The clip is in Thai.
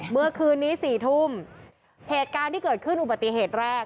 เมื่อคืนนี้๔ทุ่มเหตุการณ์ที่เกิดขึ้นอุบัติเหตุแรก